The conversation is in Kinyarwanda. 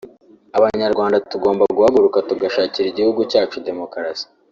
Abanyarwanda tugomba guhaguruka tugashakira igihugu cyacu demokarasi